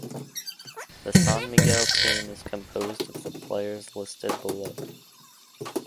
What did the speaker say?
The San Miguel team is composed of the players listed below.